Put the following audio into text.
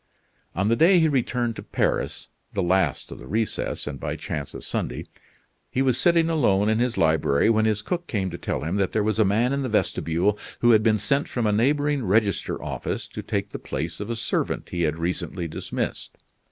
On the day he returned to Paris the last of the recess, and by chance a Sunday he was sitting alone in his library when his cook came to tell him that there was a man in the vestibule who had been sent from a neighboring register office to take the place of a servant he had recently dismissed.